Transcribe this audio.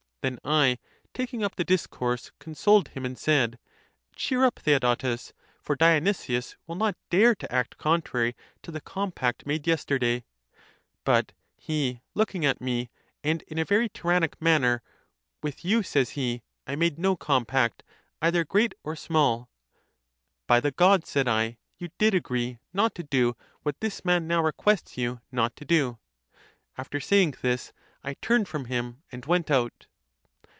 Then I, taking up the discourse, consoled him and said, Cheer up, Theodotes; for Dionysius will not dare to act contrary to the compact made yesterday. But he look ing at me, and in a very tyrannic manner, With you, says he, I made no compact, either great or small. By the gods, said J, you (did agree not to do) what this man now requests you not todo. After saying this, I turned from him and went out.